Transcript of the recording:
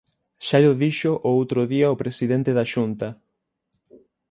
Xa llo dixo o outro día o presidente da Xunta.